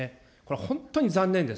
本当に残念です。